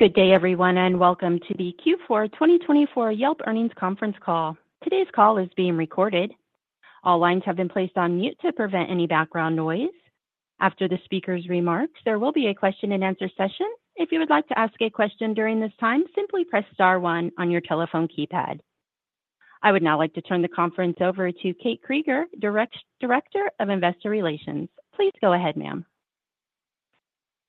Good day, everyone, and welcome to the Q4 2024 Yelp Earnings Conference Call. Today's call is being recorded. All lines have been placed on mute to prevent any background noise. After the speaker's remarks, there will be a question-and-answer session. If you would like to ask a question during this time, simply press star one on your telephone keypad. I would now like to turn the conference over to Kate Krieger, Director of Investor Relations. Please go ahead, ma'am.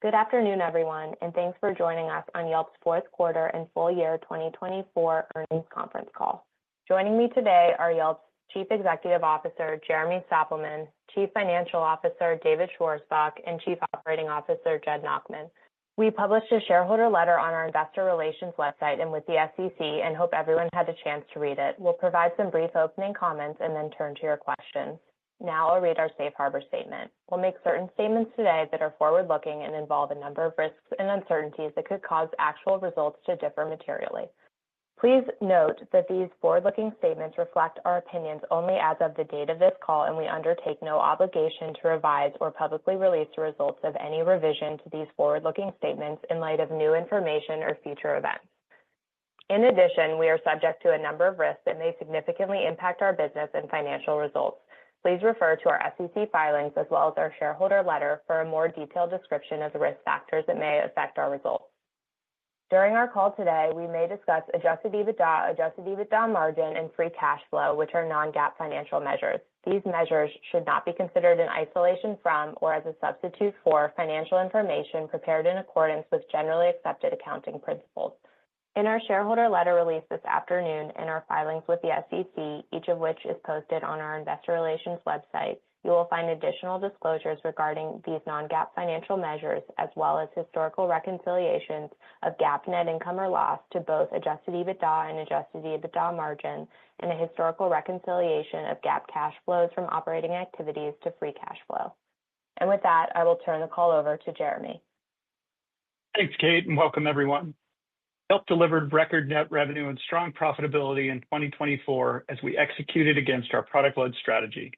Good afternoon, everyone, and thanks for joining us on Yelp's Q4 and full year 2024 earnings conference call. Joining me today are Yelp's Chief Executive Officer, Jeremy Stoppelman, Chief Financial Officer, David Schwarzbach, and Chief Operating Officer, Jed Nachman. We published a shareholder letter on our Investor Relations website and with the SEC and hope everyone had a chance to read it. We'll provide some brief opening comments and then turn to your questions. Now I'll read our Safe Harbor Statement. We'll make certain statements today that are forward-looking and involve a number of risks and uncertainties that could cause actual results to differ materially. Please note that these forward-looking statements reflect our opinions only as of the date of this call, and we undertake no obligation to revise or publicly release the results of any revision to these forward-looking statements in light of new information or future events. In addition, we are subject to a number of risks that may significantly impact our business and financial results. Please refer to our SEC filings as well as our shareholder letter for a more detailed description of the risk factors that may affect our results. During our call today, we may discuss adjusted EBITDA, adjusted EBITDA margin, and free cash flow, which are non-GAAP financial measures. These measures should not be considered in isolation from or as a substitute for financial information prepared in accordance with generally accepted accounting principles. In our shareholder letter released this afternoon and our filings with the SEC, each of which is posted on our Investor Relations website, you will find additional disclosures regarding these non-GAAP financial measures, as well as historical reconciliations of GAAP net income or loss to both adjusted EBITDA and adjusted EBITDA margin, and a historical reconciliation of GAAP cash flows from operating activities to free cash flow, and with that, I will turn the call over to Jeremy. Thanks, Kate, and welcome, everyone. Yelp delivered record net revenue and strong profitability in 2024 as we executed against our product-led strategy.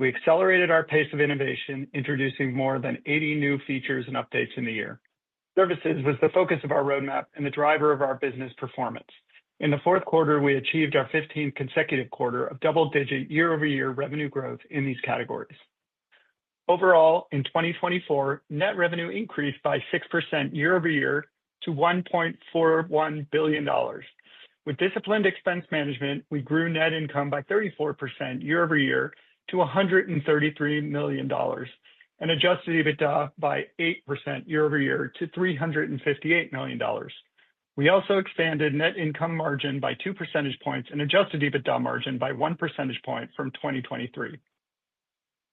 We accelerated our pace of innovation, introducing more than 80 new features and updates in the year. Services was the focus of our roadmap and the driver of our business performance. In the Q4, we achieved our 15th consecutive quarter of double-digit year-over-year revenue growth in these categories. Overall, in 2024, net revenue increased by 6% year-over-year to $1.41 billion. With disciplined expense management, we grew net income by 34% year-over-year to $133 million and Adjusted EBITDA by 8% year-over-year to $358 million. We also expanded net income margin by 2 percentage points and Adjusted EBITDA margin by 1 percentage point from 2023.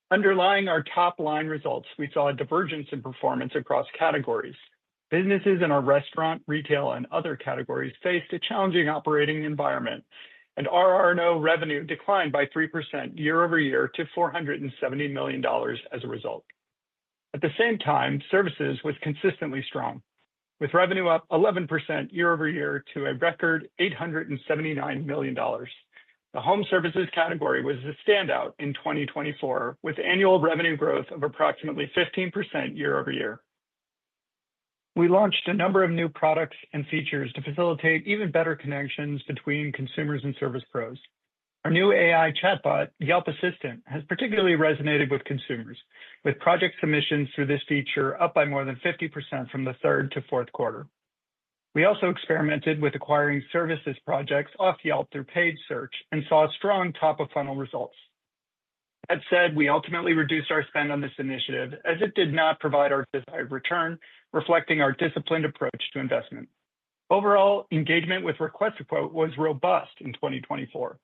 Underlying our top-line results, we saw a divergence in performance across categories. Businesses in our Restaurants, Retail, and Other categories faced a challenging operating environment, and RR&O revenue declined by 3% year-over-year to $470 million as a result. At the same time, Services was consistently strong, with revenue up 11% year-over-year to a record $879 million. The Home Services category was a standout in 2024, with annual revenue growth of approximately 15% year-over-year. We launched a number of new products and features to facilitate even better connections between consumers and service pros. Our new AI chatbot, Yelp Assistant, has particularly resonated with consumers, with project submissions through this feature up by more than 50% from the third to Q4. We also experimented with acquiring services projects off Yelp through paid search and saw strong top-of-funnel results. That said, we ultimately reduced our spend on this initiative as it did not provide our desired return, reflecting our disciplined approach to investment. verall, engagement with Request-to-Quote was robust in 2024.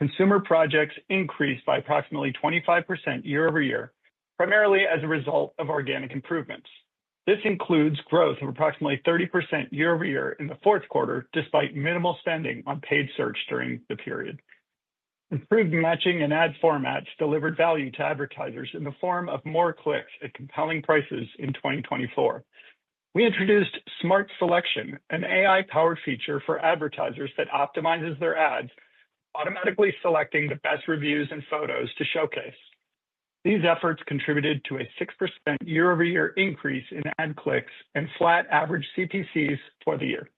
Consumer projects increased by approximately 25% year-over-year, primarily as a result of organic improvements. This includes growth of approximately 30% year-over-year in the Q4, despite minimal spending on paid search during the period. Improved matching and ad formats delivered value to advertisers in the form of more clicks at compelling prices in 2024. We introduced Smart Selection, an AI-powered feature for advertisers that optimizes their ads, automatically selecting the best reviews and photos to showcase. These efforts contributed to a 6% year-over-year increase in ad clicks and flat average CPCs for the year.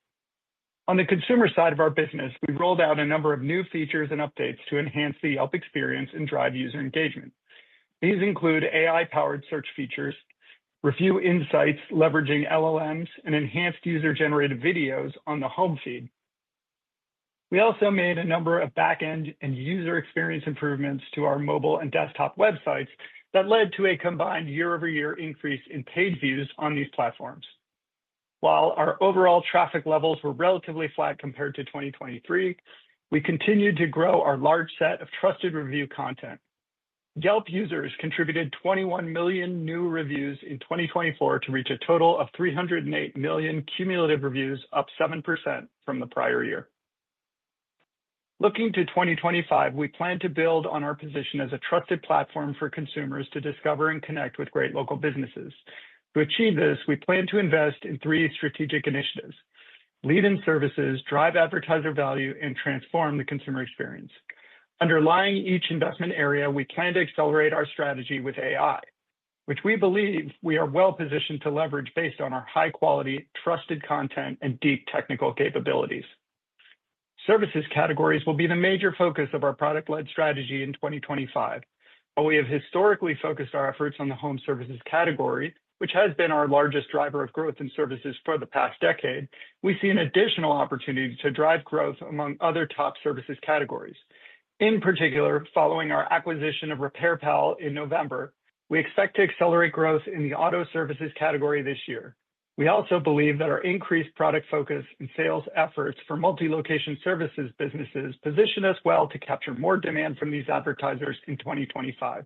On the consumer side of our business, we rolled out a number of new features and updates to enhance the Yelp experience and drive user engagement. These include AI-powered search features, Review Insights leveraging LLMs, and enhanced user-generated videos on the Home Feed. We also made a number of back-end and user experience improvements to our mobile and desktop websites that led to a combined year-over-year increase in paid views on these platforms. While our overall traffic levels were relatively flat compared to 2023, we continued to grow our large set of trusted review content. Yelp users contributed 21 million new reviews in 2024 to reach a total of 308 million cumulative reviews, up 7% from the prior year. Looking to 2025, we plan to build on our position as a trusted platform for consumers to discover and connect with great local businesses. To achieve this, we plan to invest in three strategic initiatives: Lead in Services, Drive Advertiser Value, and Transform the Consumer Experience. Underlying each investment area, we plan to accelerate our strategy with AI, which we believe we are well-positioned to leverage based on our high-quality, trusted content and deep technical capabilities. Services categories will be the major focus of our product-led strategy in 2025. While we have historically focused our efforts on the Home Services category, which has been our largest driver of growth in services for the past decade, we see an additional opportunity to drive growth among other top services categories. In particular, following our acquisition of RepairPal in November, we expect to accelerate growth in the Auto Services category this year. We also believe that our increased product focus and sales efforts for multi-location services businesses position us well to capture more demand from these advertisers in 2025.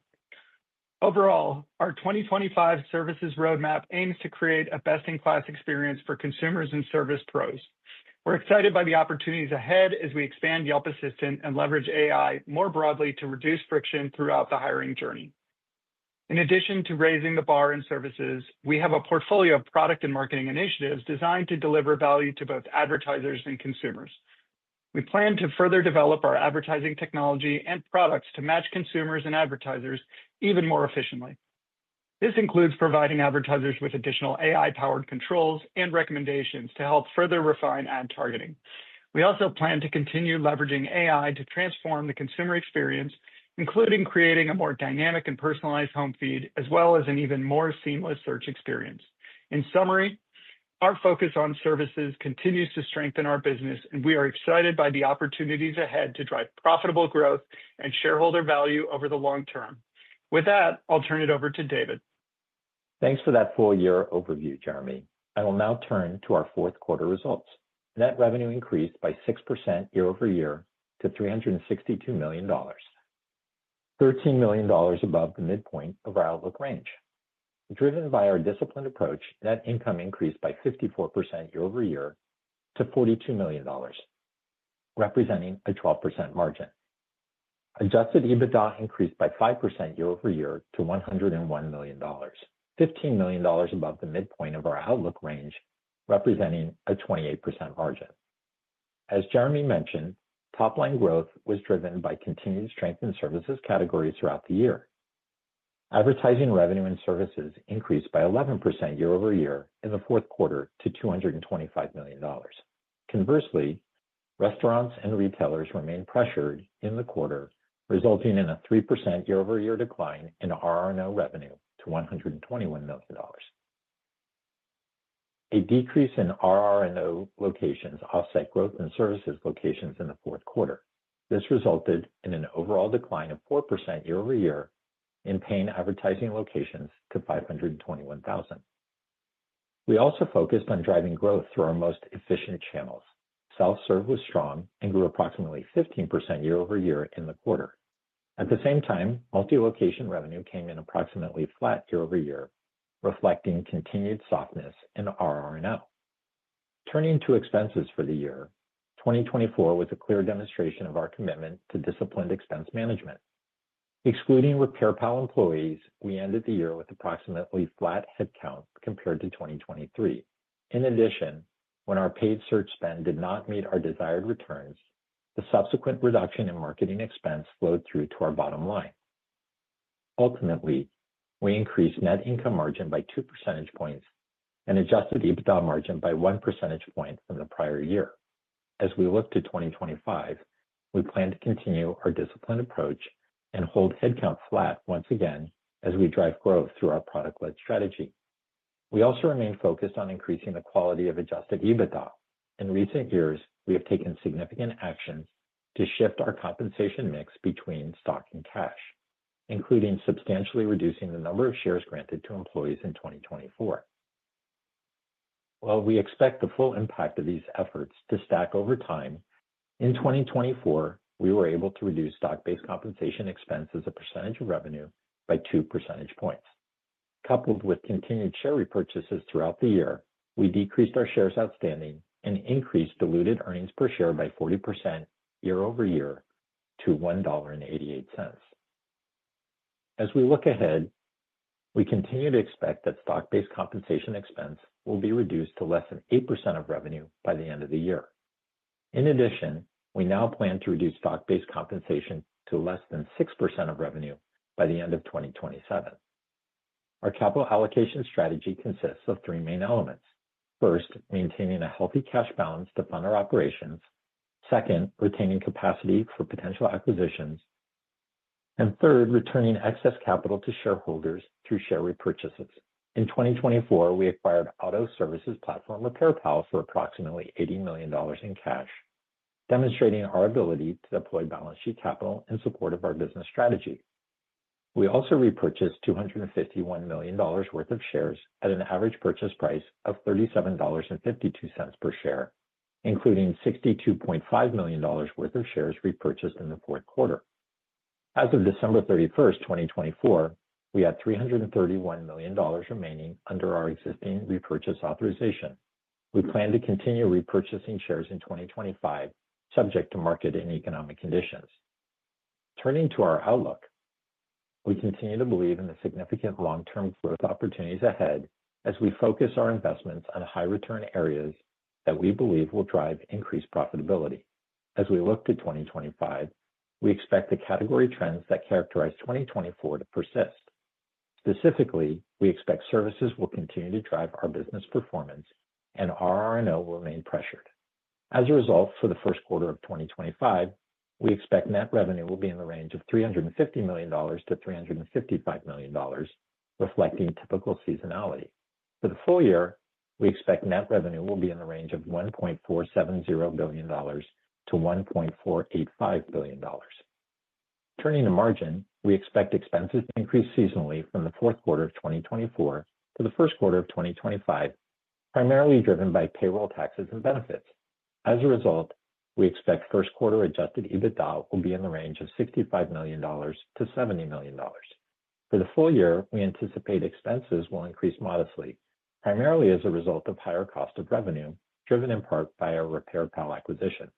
Overall, our 2025 services roadmap aims to create a best-in-class experience for consumers and service pros. We're excited by the opportunities ahead as we expand Yelp Assistant and leverage AI more broadly to reduce friction throughout the hiring journey. In addition to raising the bar in services, we have a portfolio of product and marketing initiatives designed to deliver value to both advertisers and consumers. We plan to further develop our advertising technology and products to match consumers and advertisers even more efficiently. This includes providing advertisers with additional AI-powered controls and recommendations to help further refine ad targeting. We also plan to continue leveraging AI to transform the consumer experience, including creating a more dynamic and personalized Home Feed, as well as an even more seamless search experience. In summary, our focus on services continues to strengthen our business, and we are excited by the opportunities ahead to drive profitable growth and shareholder value over the long term. With that, I'll turn it over to David. Thanks for that four-year overview, Jeremy. I will now turn to our Q4 results. Net revenue increased by 6% year-over-year to $362 million, $13 million above the midpoint of our outlook range. Driven by our disciplined approach, net income increased by 54% year-over-year to $42 million, representing a 12% margin. Adjusted EBITDA increased by 5% year-over-year to $101 million, $15 million above the midpoint of our outlook range, representing a 28% margin. As Jeremy mentioned, top-line growth was driven by continued strength in services categories throughout the year. Advertising revenue and services increased by 11% year-over-year in the Q4 to $225 million. Conversely, restaurants and retailers remained pressured in the quarter, resulting in a 3% year-over-year decline in RR&O revenue to $121 million. A decrease in RR&O locations offset growth in services locations in the Q4. This resulted in an overall decline of 4% year-over-year in paid advertising locations to $521,000. We also focused on driving growth through our most efficient channels. Self-serve was strong and grew approximately 15% year-over-year in the quarter. At the same time, multi-location revenue came in approximately flat year-over-year, reflecting continued softness in RR&O. Turning to expenses for the year, 2024 was a clear demonstration of our commitment to disciplined expense management. Excluding RepairPal employees, we ended the year with approximately flat headcount compared to 2023. In addition, when our paid search spend did not meet our desired returns, the subsequent reduction in marketing expense flowed through to our bottom line. Ultimately, we increased net income margin by 2 percentage points and adjusted EBITDA margin by 1 percentage point from the prior year. As we look to 2025, we plan to continue our disciplined approach and hold headcount flat once again as we drive growth through our product-led strategy. We also remain focused on increasing the quality of Adjusted EBITDA. In recent years, we have taken significant actions to shift our compensation mix between stock and cash, including substantially reducing the number of shares granted to employees in 2024. While we expect the full impact of these efforts to stack over time, in 2024, we were able to reduce stock-based compensation expenses as a percentage of revenue by 2 percentage points. Coupled with continued share repurchases throughout the year, we decreased our shares outstanding and increased diluted earnings per share by 40% year-over-year to $1.88. As we look ahead, we continue to expect that stock-based compensation expense will be reduced to less than 8% of revenue by the end of the year. In addition, we now plan to reduce stock-based compensation to less than 6% of revenue by the end of 2027. Our capital allocation strategy consists of three main elements. First, maintaining a healthy cash balance to fund our operations. Second, retaining capacity for potential acquisitions. And third, returning excess capital to shareholders through share repurchases. In 2024, we acquired Auto services platform RepairPal for approximately $80 million in cash, demonstrating our ability to deploy balance sheet capital in support of our business strategy. We also repurchased $251 million worth of shares at an average purchase price of $37.52 per share, including $62.5 million worth of shares repurchased in the Q4. As of December 31st, 2024, we had $331 million remaining under our existing repurchase authorization. We plan to continue repurchasing shares in 2025, subject to market and economic conditions. Turning to our outlook, we continue to believe in the significant long-term growth opportunities ahead as we focus our investments on high-return areas that we believe will drive increased profitability. As we look to 2025, we expect the category trends that characterize 2024 to persist. Specifically, we expect services will continue to drive our business performance and RR&O will remain pressured. As a result, for the Q1 of 2025, we expect net revenue will be in the range of $350 million-$355 million, reflecting typical seasonality. For the full year, we expect net revenue will be in the range of $1.470 billion-$1.485 billion. Turning to margin, we expect expenses to increase seasonally from the Q4 of 2024 to the Q1 of 2025, primarily driven by payroll taxes and benefits. As a result, we expect Q1 adjusted EBITDA will be in the range of $65 million-$70 million. For the full year, we anticipate expenses will increase modestly, primarily as a result of higher cost of revenue, driven in part by our RepairPal acquisition.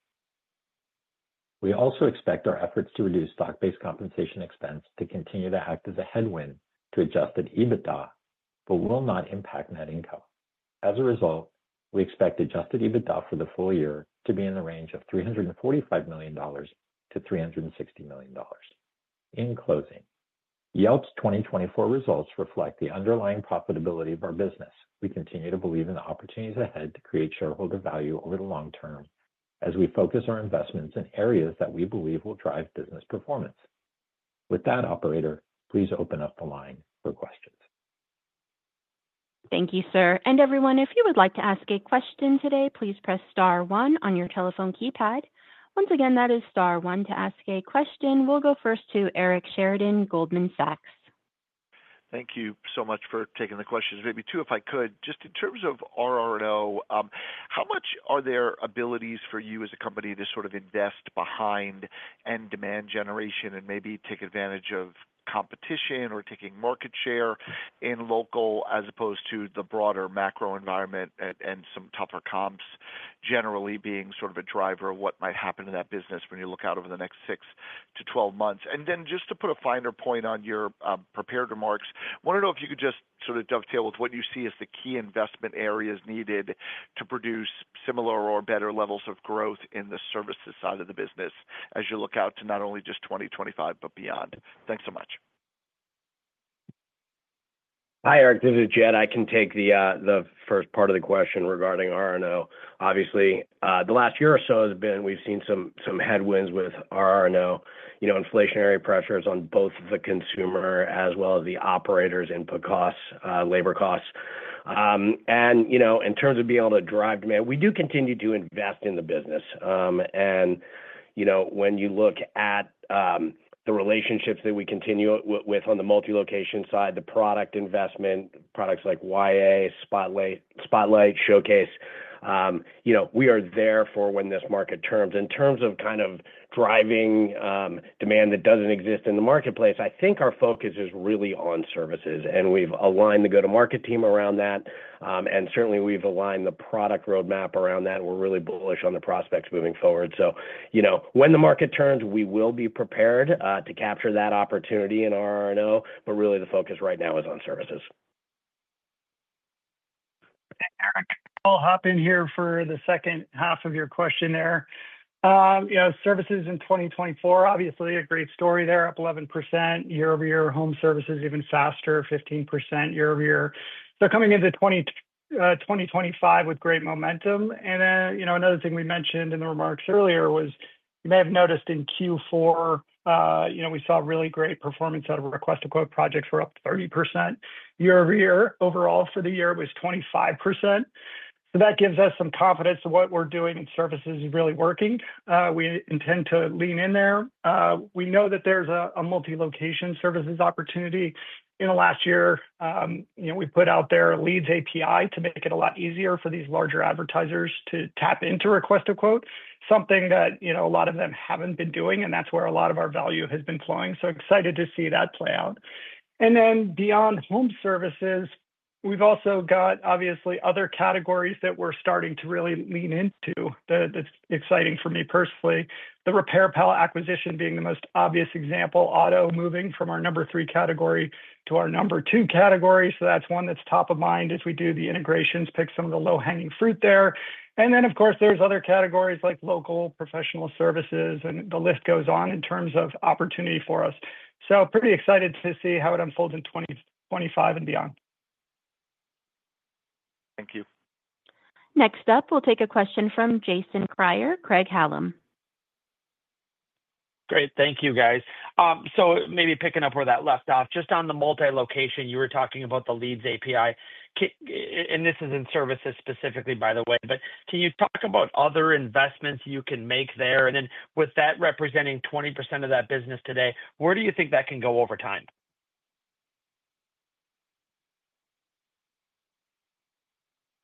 We also expect our efforts to reduce stock-based compensation expense to continue to act as a headwind to adjusted EBITDA, but will not impact net income. As a result, we expect adjusted EBITDA for the full year to be in the range of $345 million-$360 million. In closing, Yelp's 2024 results reflect the underlying profitability of our business. We continue to believe in the opportunities ahead to create shareholder value over the long term as we focus our investments in areas that we believe will drive business performance. With that, operator, please open up the line for questions. Thank you, sir. And everyone, if you would like to ask a question today, please press star one on your telephone keypad. Once again, that is star one to ask a question. We'll go first to Eric Sheridan, Goldman Sachs. Thank you so much for taking the questions. Maybe two, if I could. Just in terms of RR&O, how much are there abilities for you as a company to sort of invest behind end demand generation and maybe take advantage of competition or taking market share in local as opposed to the broader macro environment and some tougher comps generally being sort of a driver of what might happen in that business when you look out over the next 6 to 12 months? And then just to put a finer point on your prepared remarks, I want to know if you could just sort of dovetail with what you see as the key investment areas needed to produce similar or better levels of growth in the services side of the business as you look out to not only just 2025, but beyond. Thanks so much. Hi, Eric. This is Jed. I can take the first part of the question regarding RR&O. Obviously, the last year or so has been we've seen some headwinds with RR&O, inflationary pressures on both the consumer as well as the operator's input costs, labor costs. And in terms of being able to drive demand, we do continue to invest in the business. And when you look at the relationships that we continue with on the multi-location side, the product investment, products like YA, Spotlight, Showcase, we are there for when this market turns. In terms of kind of driving demand that doesn't exist in the marketplace, I think our focus is really on services. Andad we've aligned the go-to-market team around that. And certainly, we've aligned the product roadmap around that. We're really bullish on the prospects moving forward. So when the market turns, we will be prepared to capture that opportunity in RR&O, but really the focus right now is on services. Thanks, Eric. I'll hop in here for the second half of your question. Services in 2024, obviously a great story there, up 11% year-over-year, Home Services even faster, 15% year-over-year. So coming into 2025 with great momentum. And then another thing we mentioned in the remarks earlier was you may have noticed in Q4, we saw really great performance out of request-to-quote, projects were up 30% year-over-year. Overall, for the year, it was 25%. So that gives us some confidence of what we're doing in services is really working. We intend to lean in there. We know that there's a multi-location services opportunity. In the last year, we put out the Leads API to make it a lot easier for these larger advertisers to tap into request-to-quote, something that a lot of them haven't been doing, and that's where a lot of our value has been flowing. So excited to see that play out. And then beyond Home Services, we've also got, obviously, other categories that we're starting to really lean into. That's exciting for me personally. The RepairPal acquisition being the most obvious example, Auto moving from our number three category to our number two category. So that's one that's top of mind as we do the integrations, pick some of the low-hanging fruit there. And then, of course, there's other categories like Local, Professional Services, and the list goes on in terms of opportunity for us. So pretty excited to see how it unfolds in 2025 and beyond. Thank you. Next up, we'll take a question from Jason Kreyer, Craig-Hallum. Great. Thank you, guys. So maybe picking up where that left off, just on the multi-location, you were talking about the Leads API. And this is in services specifically, by the way, but can you talk about other investments you can make there? And then with that representing 20% of that business today, where do you think that can go over time?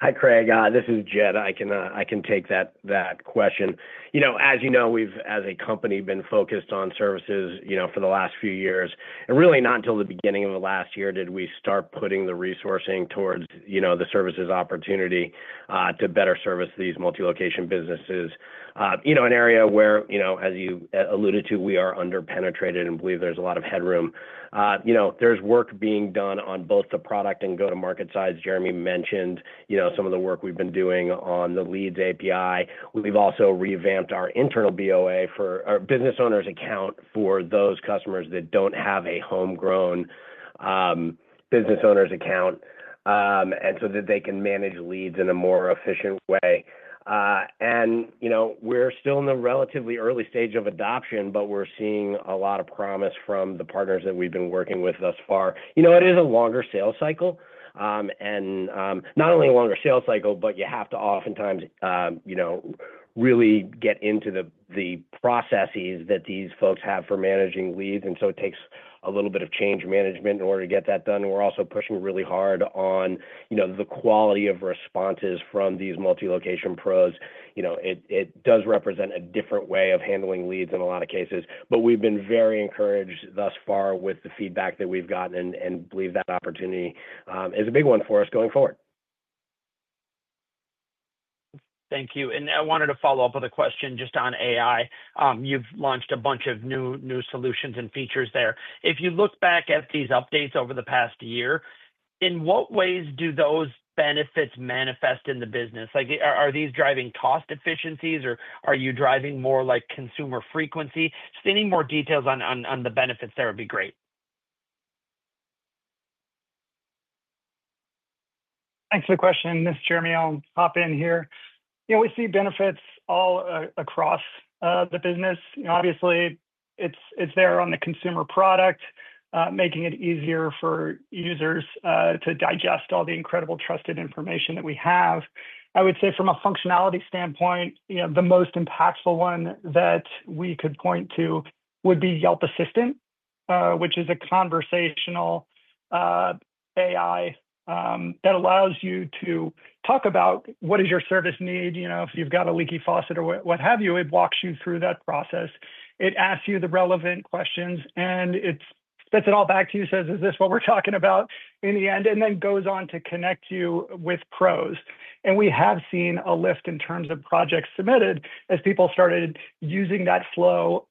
Hi, Craig. This is Jed. I can take that question. As you know, we've, as a company, been focused on services for the last few years, and really, not until the beginning of the last year did we start putting the resourcing towards the services opportunity to better service these multi-location businesses. An area where, as you alluded to, we are under-penetrated and believe there's a lot of headroom. There's work being done on both the product and go-to-market sides. Jeremy mentioned some of the work we've been doing on the Leads API. We've also revamped our internal BOA for our Business Owners Account for those customers that don't have a homegrown business owners' account and so that they can manage leads in a more efficient way. And we're still in the relatively early stage of adoption, but we're seeing a lot of promise from the partners that we've been working with thus far. It is a longer sales cycle. And not only a longer sales cycle, but you have to oftentimes really get into the processes that these folks have for managing leads. And so it takes a little bit of change management in order to get that done. We're also pushing really hard on the quality of responses from these multi-location pros. It does represent a different way of handling leads in a lot of cases, but we've been very encouraged thus far with the feedback that we've gotten and believe that opportunity is a big one for us going forward. Thank you. And I wanted to follow up with a question just on AI. You've launched a bunch of new solutions and features there. If you look back at these updates over the past year, in what ways do those benefits manifest in the business? Are these driving cost efficiencies, or are you driving more consumer frequency? Just any more details on the benefits there would be great. Thanks for the question. Mr. Jeremy, I'll hop in here. We see benefits all across the business. Obviously, it's there on the consumer product, making it easier for users to digest all the incredible trusted information that we have. I would say from a functionality standpoint, the most impactful one that we could point to would be Yelp Assistant, which is a conversational AI that allows you to talk about what is your service need. If you've got a leaky faucet or what have you, it walks you through that process. It asks you the relevant questions, and it spits it all back to you, says, "Is this what we're talking about?" in the end, and then goes on to connect you with pros. And we have seen a lift in terms of projects submitted as people started using that flow.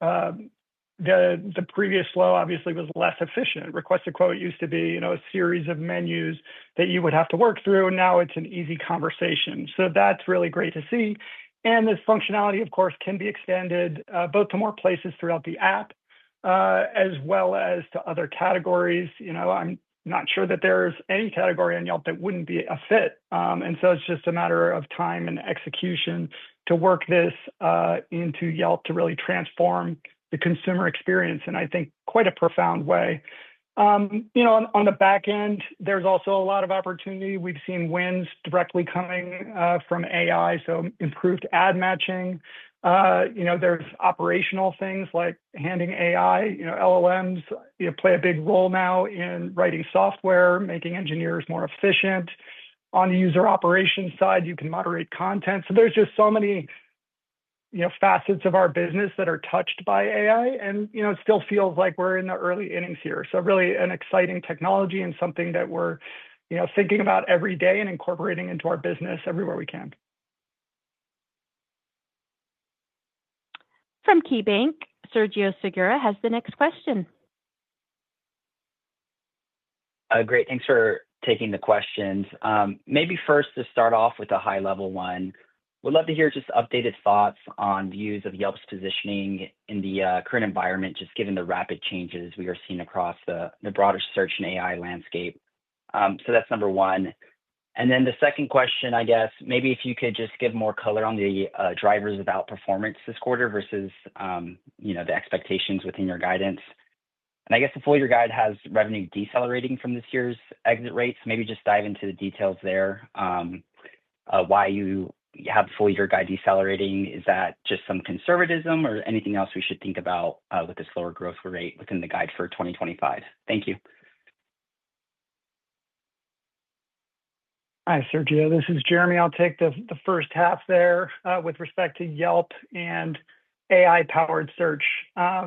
The previous flow obviously was less efficient. Quote used to be a series of menus that you would have to work through. Now it's an easy conversation. So that's really great to see. And this functionality, of course, can be extended both to more places throughout the app as well as to other categories. I'm not sure that there's any category in Yelp that wouldn't be a fit. And so it's just a matter of time and execution to work this into Yelp to really transform the consumer experience, and I think quite a profound way. On the back end, there's also a lot of opportunity. We've seen wins directly coming from AI, so improved ad matching. There's operational things like having AI. LLMs play a big role now in writing software, making engineers more efficient. On the user operations side, you can moderate content. So there's just so many facets of our business that are touched by AI, and it still feels like we're in the early innings here, so really an exciting technology and something that we're thinking about every day and incorporating into our business everywhere we can. From KeyBanc, Sergio Segura has the next question. Great. Thanks for taking the questions. Maybe first to start off with a high-level one, we'd love to hear just updated thoughts on views of Yelp's positioning in the current environment, just given the rapid changes we are seeing across the broader search and AI landscape. So that's number one. And then the second question, I guess, maybe if you could just give more color on the drivers of outperformance this quarter versus the expectations within your guidance. And I guess the full-year guide has revenue decelerating from this year's exit rates. Maybe just dive into the details there. Why you have the full-year guide decelerating? Is that just some conservatism or anything else we should think about with this lower growth rate within the guide for 2025? Thank you. Hi, Sergio. This is Jeremy. I'll take the first half there with respect to Yelp and AI-powered search. I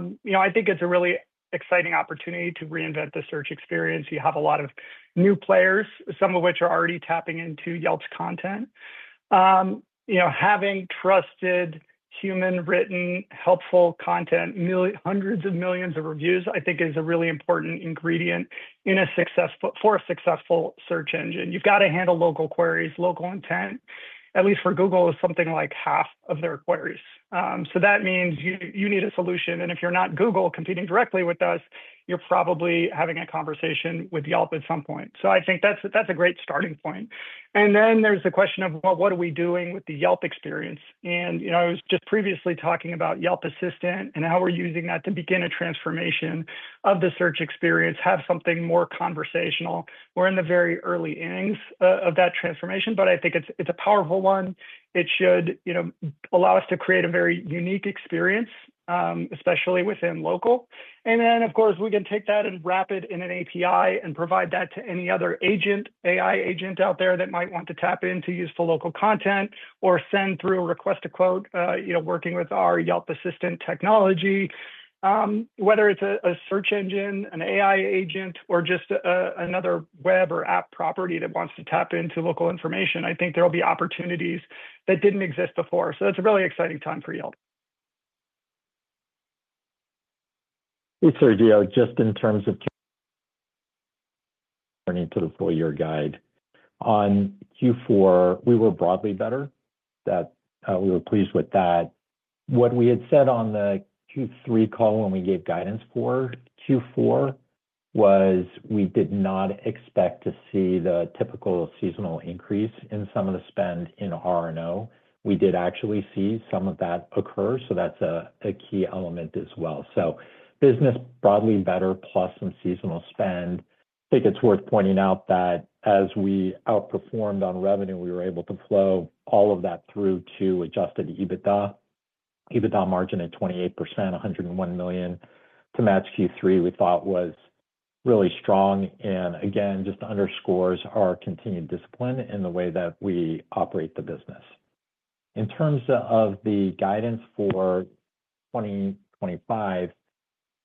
think it's a really exciting opportunity to reinvent the search experience. You have a lot of new players, some of which are already tapping into Yelp's content. Having trusted, human-written, helpful content, hundreds of millions of reviews, I think, is a really important ingredient for a successful search engine. You've got to handle local queries, local intent. At least for Google, it's something like half of their queries. So that means you need a solution, and if you're not Google competing directly with us, you're probably having a conversation with Yelp at some point. So I think that's a great starting point, and then there's the question of, well, what are we doing with the Yelp experience? And I was just previously talking about Yelp Assistant and how we're using that to begin a transformation of the search experience, have something more conversational. We're in the very early innings of that transformation, but I think it's a powerful one. It should allow us to create a very unique experience, especially within local. And then, of course, we can take that and wrap it in an API and provide that to any other agent, AI agent out there that might want to tap into useful local content or send through a Request-to-Quote working with our Yelp Assistant technology. Whether it's a search engine, an AI agent, or just another web or app property that wants to tap into local information, I think there will be opportunities that didn't exist before. So it's a really exciting time for Yelp. Hey, Sergio, just in terms of turning to the full-year guide, on Q4, we were broadly better. We were pleased with that. What we had said on the Q3 call when we gave guidance for Q4 was we did not expect to see the typical seasonal increase in some of the spend in RR&O. We did actually see some of that occur. So that's a key element as well. So business broadly better plus some seasonal spend. I think it's worth pointing out that as we outperformed on revenue, we were able to flow all of that through to adjusted EBITDA. EBITDA margin at 28%, $101 million to match Q3, we thought was really strong, and again, just underscores our continued discipline in the way that we operate the business. In terms of the guidance for 2025,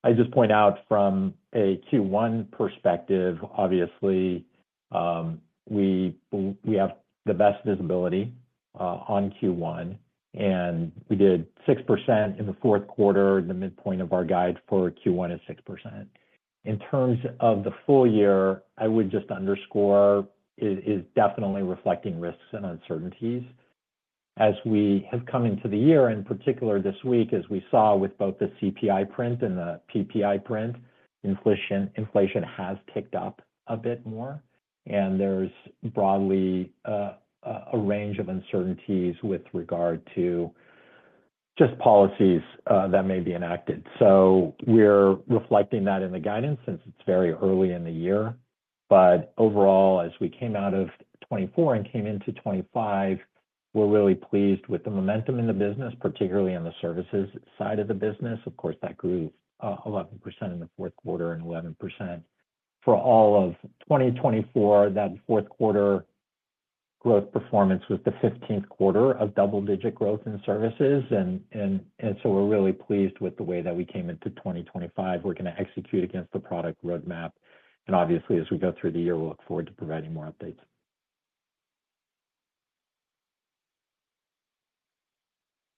I just point out from a Q1 perspective, obviously, we have the best visibility on Q1, and we did 6% in the Q4. The midpoint of our guide for Q1 is 6%. In terms of the full year, I would just underscore is definitely reflecting risks and uncertainties. As we have come into the year, in particular this week, as we saw with both the CPI print and the PPI print, inflation has ticked up a bit more. And there's broadly a range of uncertainties with regard to just policies that may be enacted. So we're reflecting that in the guidance since it's very early in the year. But overall, as we came out of 2024 and came into 2025, we're really pleased with the momentum in the business, particularly on the services side of the business. Of course, that grew 11% in the Q4 and 11%. For all of 2024, that Q4 growth performance was the 15th quarter of double-digit growth in services, and so we're really pleased with the way that we came into 2025. We're going to execute against the product roadmap, and obviously, as we go through the year, we'll look forward to providing more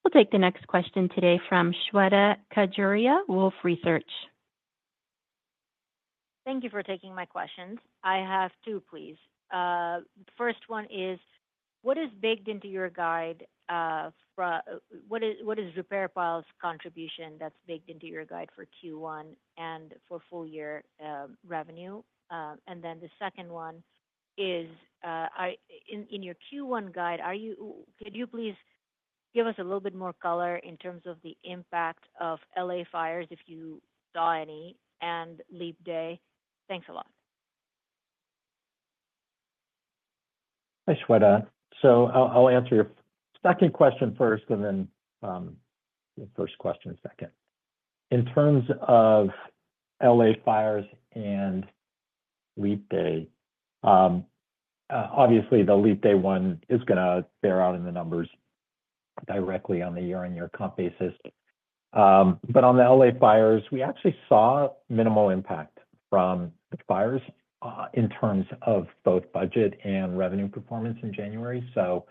updates. We'll take the next question today from Shweta Khajuria, Wolfe Research. Thank you for taking my questions. I have two, please. The first one is, what is baked into your guide? What is RepairPal's contribution that's baked into your guide for Q1 and for full-year revenue? And then the second one is, in your Q1 guide, could you please give us a little bit more color in terms of the impact of LA fires, if you saw any, and leap day? Thanks a lot. Hi, Shweta. So I'll answer your second question first, and then first question, second. In terms of LA fires and leap day, obviously, the leap day one is going to bear out in the numbers directly on the year-on-year comp basis. But on the LA fires, we actually saw minimal impact from the fires in terms of both budget and revenue performance in January. So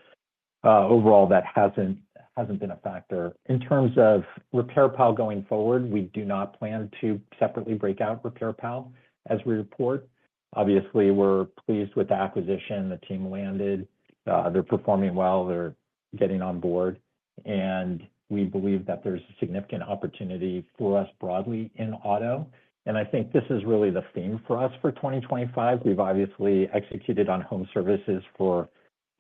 overall, that hasn't been a factor. In terms of RepairPal going forward, we do not plan to separately break out RepairPal as we report. Obviously, we're pleased with the acquisition. The team landed. They're performing well. They're getting on board. And we believe that there's a significant opportunity for us broadly in Auto. And I think this is really the theme for us for 2025. We've obviously executed on Home Services for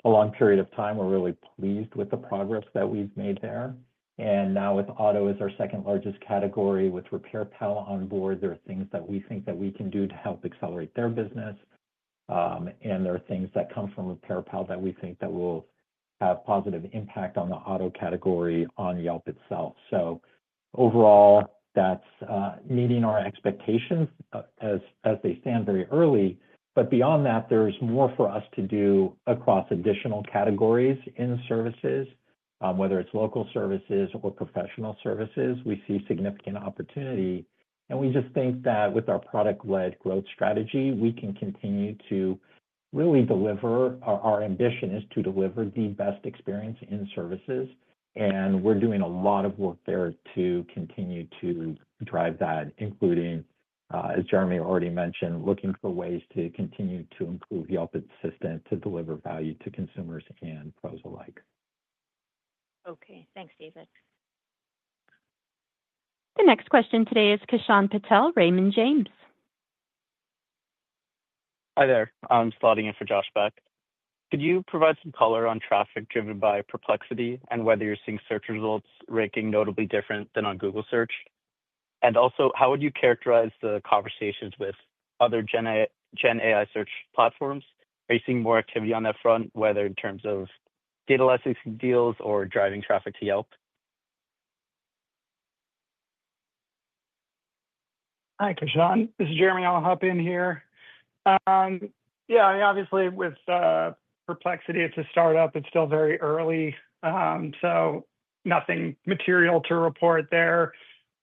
a long period of time. We're really pleased with the progress that we've made there. And now with Auto as our second largest category, with RepairPal on board, there are things that we think that we can do to help accelerate their business. And there are things that come from RepairPal that we think that will have a positive impact on the Auto category on Yelp itself. So overall, that's meeting our expectations as they stand very early. But beyond that, there's more for us to do across additional categories in services, whether it's Local Services or professional services. We see significant opportunity. And we just think that with our product-led growth strategy, we can continue to really deliver. Our ambition is to deliver the best experience in services. We're doing a lot of work there to continue to drive that, including, as Jeremy already mentioned, looking for ways to continue to improve Yelp Assistant to deliver value to consumers and pros alike. Okay. Thanks, David. The next question today is Kishan Patel, Raymond James. Hi there. I'm slotting in for Josh Beck. Could you provide some color on traffic driven by Perplexity and whether you're seeing search results ranking notably different than on Google Search? And also, how would you characterize the conversations with other Gen AI search platforms? Are you seeing more activity on that front, whether in terms of data licensing deals or driving traffic to Yelp? Hi, Kishan. This is Jeremy. I'll hop in here. Yeah. I mean, obviously, with Perplexity, it's a startup. It's still very early, so nothing material to report there.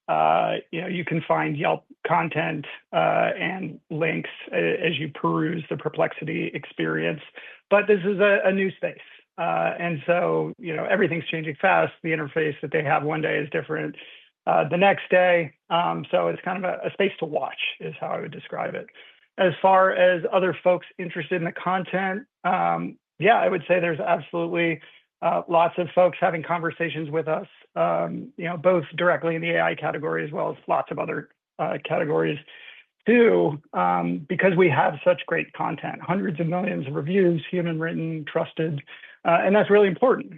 You can find Yelp content and links as you peruse the Perplexity experience, but this is a new space, and so everything's changing fast. The interface that they have one day is different the next day, so it's kind of a space to watch is how I would describe it. As far as other folks interested in the content, yeah, I would say there's absolutely lots of folks having conversations with us, both directly in the AI category as well as lots of other categories too, because we have such great content, hundreds of millions of reviews, human-written, trusted. And that's really important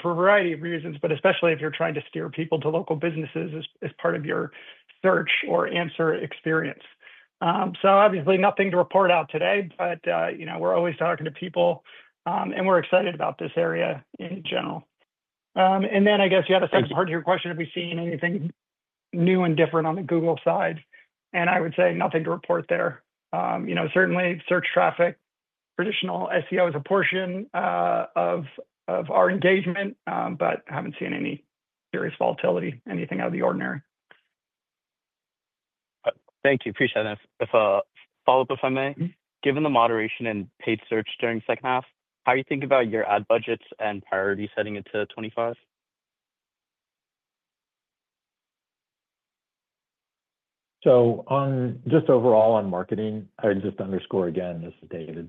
for a variety of reasons, but especially if you're trying to steer people to local businesses as part of your search or answer experience. So obviously, nothing to report out today, but we're always talking to people, and we're excited about this area in general. And then I guess, yeah, the second part of your question, have we seen anything new and different on the Google side? And I would say nothing to report there. Certainly, search traffic, traditional SEO is a portion of our engagement, but I haven't seen any serious volatility, anything out of the ordinary. Thank you. Appreciate that. If I follow up, if I may, given the moderation and paid search during the second half, how do you think about your ad budgets and priority setting it to 2025? So just overall on marketing, I'd just underscore again. This is David.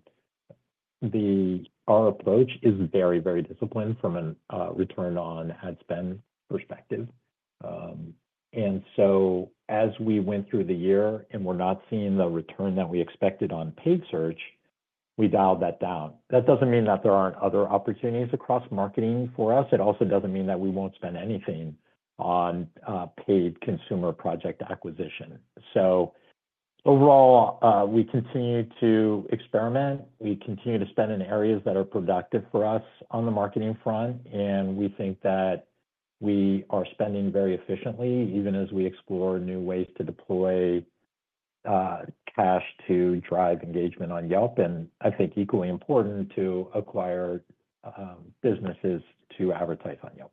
Our approach is very, very disciplined from a return on ad spend perspective. And so as we went through the year and we're not seeing the return that we expected on paid search, we dialed that down. That doesn't mean that there aren't other opportunities across marketing for us. It also doesn't mean that we won't spend anything on paid consumer project acquisition. So overall, we continue to experiment. We continue to spend in areas that are productive for us on the marketing front. And we think that we are spending very efficiently, even as we explore new ways to deploy cash to drive engagement on Yelp. And I think equally important to acquire businesses to advertise on Yelp.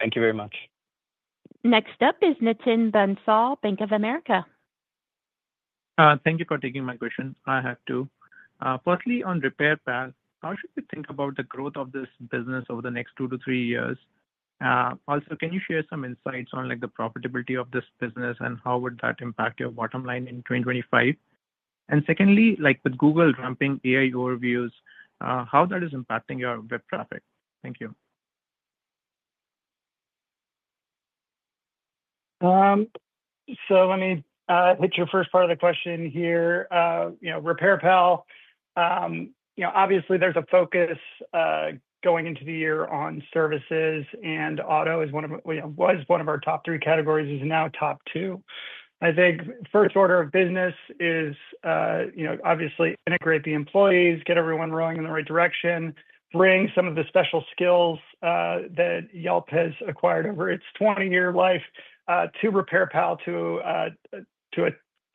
Thank you very much. Next up is Nitin Bansal, Bank of America. Thank you for taking my question. I have two. Firstly, on RepairPal, how should we think about the growth of this business over the next two to three years? Also, can you share some insights on the profitability of this business and how would that impact your bottom line in 2025? And secondly, with Google ramping AI Overviews, how that is impacting your web traffic? Thank you. Let me hit your first part of the question here. RepairPal, obviously, there's a focus going into the year on services, and Auto was one of our top three categories and is now top two. I think first order of business is obviously integrate the employees, get everyone rolling in the right direction, bring some of the special skills that Yelp has acquired over its 20-year life to RepairPal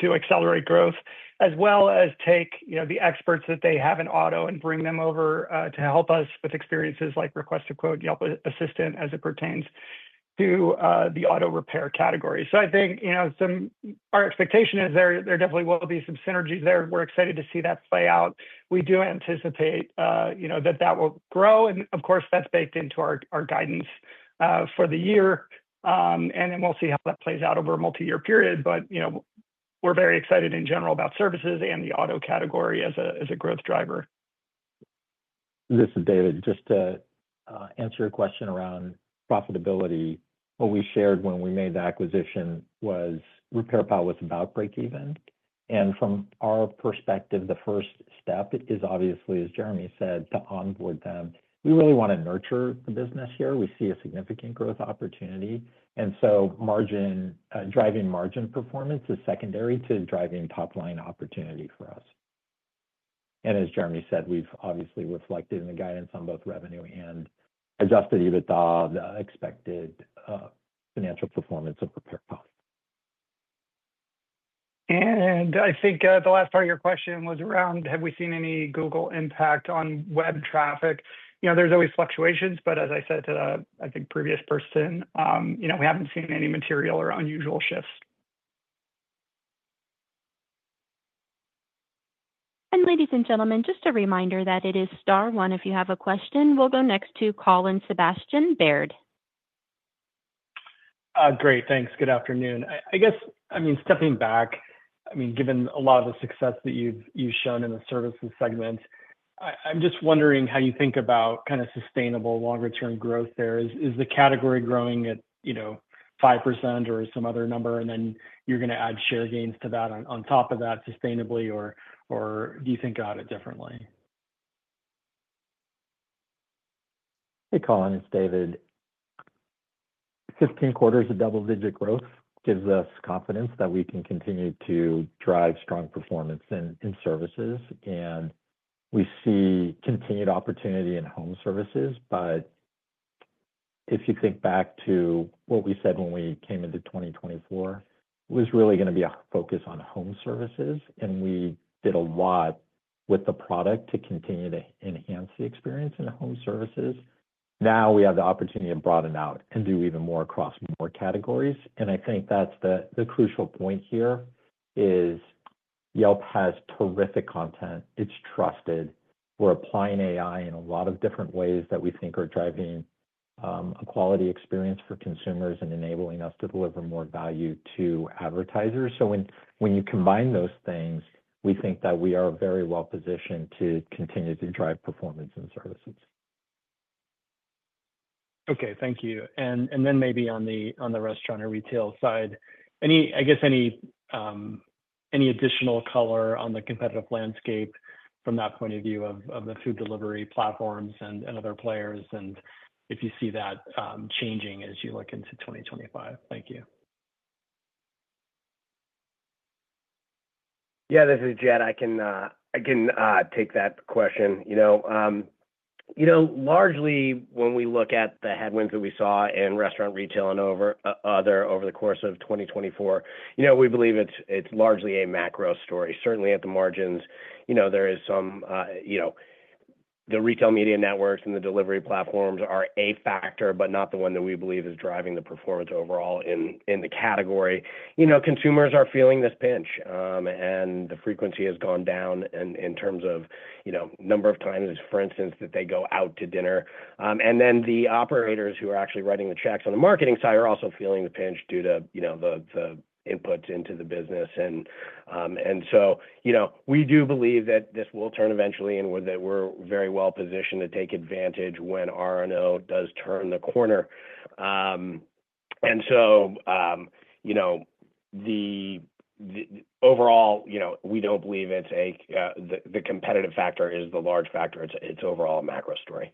to accelerate growth, as well as take the experts that they have in Auto and bring them over to help us with experiences like Request-to-Quote, Yelp Assistant as it pertains to the Auto repair category. So I think our expectation is there definitely will be some synergies there. We're excited to see that play out. We do anticipate that that will grow. Of course, that's baked into our guidance for the year. And then we'll see how that plays out over a multi-year period. But we're very excited in general about services and the Auto category as a growth driver. This is David. Just to answer your question around profitability, what we shared when we made the acquisition was RepairPal was about break-even, and from our perspective, the first step is obviously, as Jeremy said, to onboard them. We really want to nurture the business here. We see a significant growth opportunity, and so driving margin performance is secondary to driving top-line opportunity for us. And as Jeremy said, we've obviously reflected in the guidance on both revenue and Adjusted EBITDA the expected financial performance of RepairPal. I think the last part of your question was around, have we seen any Google impact on web traffic? There's always fluctuations, but as I said to, I think, previous person, we haven't seen any material or unusual shifts. Ladies and gentlemen, just a reminder that it is Star One if you have a question. We'll go next to Colin Sebastian, Baird. Great. Thanks. Good afternoon. I guess, I mean, stepping back, I mean, given a lot of the success that you've shown in the services segment, I'm just wondering how you think about kind of sustainable longer-term growth there. Is the category growing at 5% or some other number, and then you're going to add share gains to that on top of that sustainably, or do you think about it differently? Hey, Colin. It's David. 15 quarters of double-digit growth gives us confidence that we can continue to drive strong performance in services. And we see continued opportunity in Home Services. But if you think back to what we said when we came into 2024, it was really going to be a focus on Home Services. And we did a lot with the product to continue to enhance the experience in Home Services. Now we have the opportunity to broaden out and do even more across more categories. And I think that's the crucial point here, is Yelp has terrific content. It's trusted. We're applying AI in a lot of different ways that we think are driving a quality experience for consumers and enabling us to deliver more value to advertisers. So when you combine those things, we think that we are very well positioned to continue to drive performance in services. Okay. Thank you. And then maybe on the restaurant or retail side, I guess any additional color on the competitive landscape from that point of view of the food delivery platforms and other players and if you see that changing as you look into 2025? Thank you. Yeah, this is Jed. I can take that question. Largely, when we look at the headwinds that we saw in restaurant retail and other over the course of 2024, we believe it's largely a macro story. Certainly, at the margins, there is some, the retail media networks and the delivery platforms are a factor, but not the one that we believe is driving the performance overall in the category. Consumers are feeling this pinch, and the frequency has gone down in terms of number of times, for instance, that they go out to dinner, and then the operators who are actually writing the checks on the marketing side are also feeling the pinch due to the inputs into the business, and so we do believe that this will turn eventually and that we're very well positioned to take advantage when RR&O does turn the corner. And so overall, we don't believe the competitive factor is the large factor. It's overall a macro story.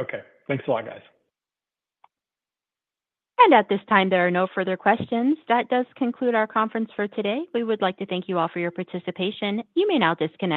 Okay. Thanks a lot, guys. At this time, there are no further questions. That does conclude our conference for today. We would like to thank you all for your participation. You may now disconnect.